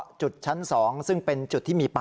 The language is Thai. อันที่เกิดเหตุโดยเฉพาะ